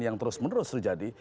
yang terus menerus terjadi